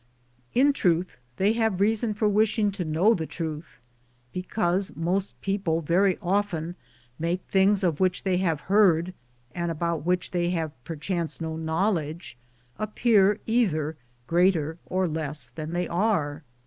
In truth, they have reason for wishing to know the truth, because most people very often make things of which they have heard, and about which they have perchance no knowledge, appear either greater or less than they are.